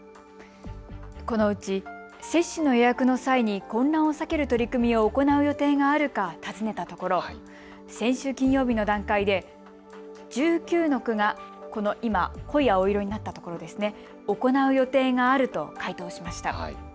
このうち接種の予約の際に混乱を避ける取り組みを行う予定があるか尋ねたところ先週金曜日の段階で１９の区が、今、濃い青色になったところですね、行う予定があると回答しました。